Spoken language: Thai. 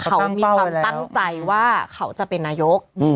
เขามีความตั้งใจว่าเขาจะเป็นนายก